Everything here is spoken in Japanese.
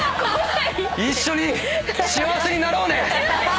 一緒に幸せになろうね！